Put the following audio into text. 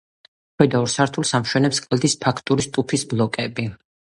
ქვედა ორ სართულს ამშვენებს კლდის ფაქტურის ტუფის ბლოკები.